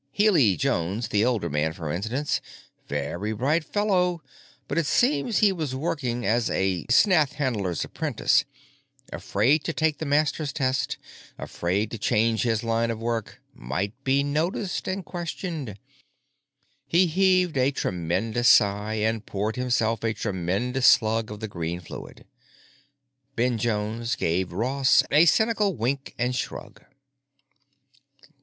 Healy Jones, the older man, for instance. Very bright fellow, but it seems he was working as a snathe handler's apprentice. Afraid to take the master's test, afraid to change his line of work—might be noticed and questioned." He heaved a tremendous sigh and poured himself a tremendous slug of the green fluid. Ben Jones gave Ross a cynical wink and shrug.